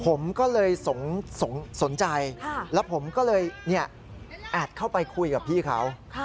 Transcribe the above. ผมก็เลยสนใจแล้วผมก็เลยแอดเข้าไปคุยกับพี่เขา